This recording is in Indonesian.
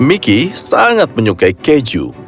mickey sangat menyukai keju